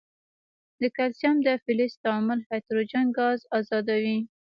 د کلسیم د فلز تعامل هایدروجن ګاز آزادوي.